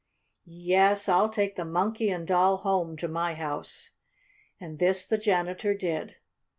Yes, I'll take the Monkey and Doll home to my house." And this the janitor did.